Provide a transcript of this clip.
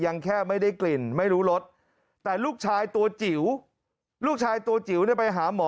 แค่ไม่ได้กลิ่นไม่รู้รสแต่ลูกชายตัวจิ๋วลูกชายตัวจิ๋วเนี่ยไปหาหมอ